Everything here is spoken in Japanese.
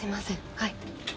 はい